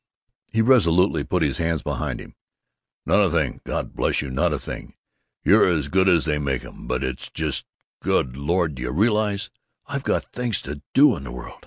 He resolutely put his hands behind him. "Not a thing, God bless you, not a thing. You're as good as they make 'em. But it's just Good Lord, do you realize I've got things to do in the world?